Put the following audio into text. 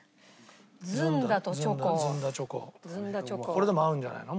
これでも合うんじゃないの？